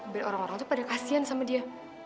biar orang orang tuh pada kasihan sama dia